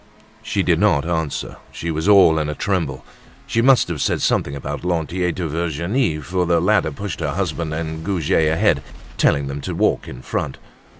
She did not answer. She was all in a tremble. She must have said something about Lantier to Virginie, for the latter pushed her husband and Goujet ahead, telling them to walk in front.